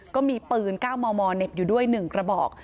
ก็มีปืนก้าวมอเหน็บอยู่ด้วยหนึ่งกระบอก